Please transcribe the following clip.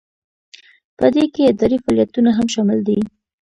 په دې کې اداري فعالیتونه هم شامل دي.